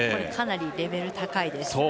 かなりレベル高いです。